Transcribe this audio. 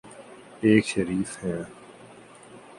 ایک شریف ہیں۔